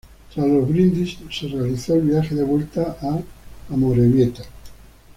Tras los brindis se realizó el viaje de vuelta a Amorebieta.